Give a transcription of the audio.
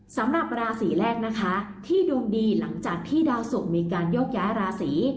สำหรับราศีแรกนะคะที่ดวงดีหลังจากที่ดาวสุกมีการโยกย้ายราศี